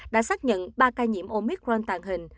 đã xác nhận ba ca nhiễm omicron tàng hình